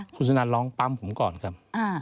คุณสุนันลองปั๊มผมก่อนครับ